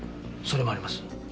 それもあります。